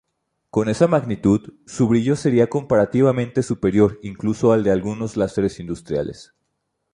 Con esa magnitud, su brillo sería comparativamente superior incluso al de algunos láseres industriales.